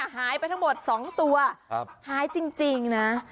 หายไปทั้งหมด๒ตัวหายจริงนะ